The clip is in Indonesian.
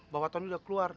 bahwa tony udah keluar